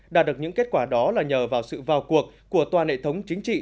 đạt được những kết quả đó là nhờ vào sự vào cuộc của toàn hệ thống chính trị